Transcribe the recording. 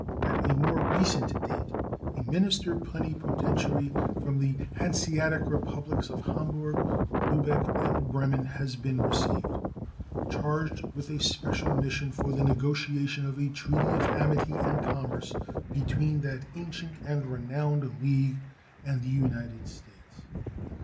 At a more recent date a minister plenipotentiary from the Hanseatic Republics of Hamburg, Lubeck, and Bremen has been received, charged with a special mission for the negotiation of a treaty of amity and commerce between that ancient and renowned league and the United States.